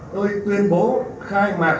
tôi tuyên bố khai mạc